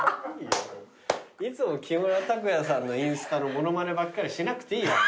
いつも木村拓哉さんのインスタの物まねばっかりしなくていいよ。